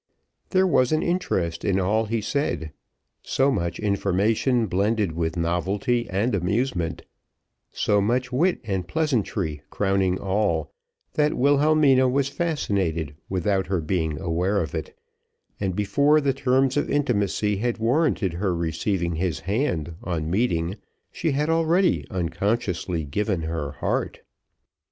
There was an interest in all he said, so much information blended with novelty and amusement, so much wit and pleasantry crowning all, that Wilhelmina was fascinated without her being aware of it; and, before the terms of intimacy had warranted her receiving his hand on meeting, she had already unconsciously given her heart.